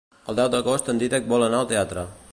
El deu d'agost en Dídac vol anar al teatre.